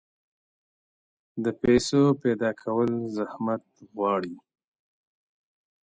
د پیسو پیدا کول زحمت غواړي.